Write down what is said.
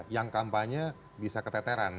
yang kampanye bisa keteteran